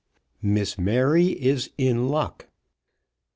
"MISS MARY IS IN LUCK."